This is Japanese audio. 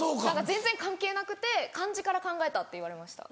全然関係なくて漢字から考えたって言われました。